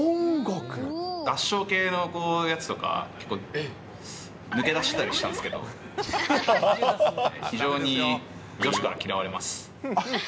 合唱系のやつとか、結構抜け出してたりしてたんですけど、非常に女子から嫌われます。